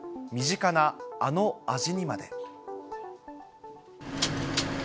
身近なあの味にまで。